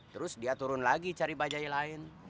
terus dia turun lagi cari bajai lain